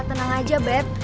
udah tenang aja beth